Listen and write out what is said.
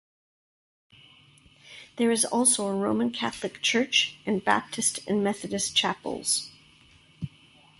There is also a Roman Catholic church, and Baptist and Methodist chapels.